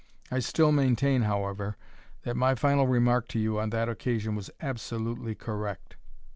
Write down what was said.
I still maintain, however, that my final remark to you on that occasion was absolutely correct.